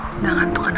udah ngantuk anaknya